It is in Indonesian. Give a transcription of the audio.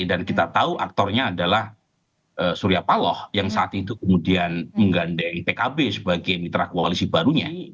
kita tahu aktornya adalah surya paloh yang saat itu kemudian menggandeng pkb sebagai mitra koalisi barunya